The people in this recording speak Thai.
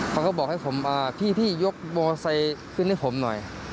เขาก็บอกให้ผมพี่ยกมอไซค์ขึ้นให้ผมหน่อย